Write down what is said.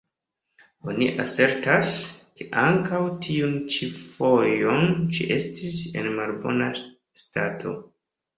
Oni asertas, ke ankaŭ tiun ĉi fojon ĝi estis en malbona stato.